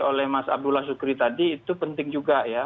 oleh mas abdullah sukri tadi itu penting juga ya